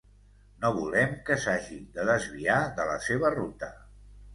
No volem que s'hagi de desviar de la seva ruta.